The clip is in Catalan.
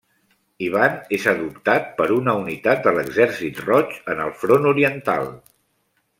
Ivan és adoptat per una unitat de l'Exèrcit Roig en el front oriental.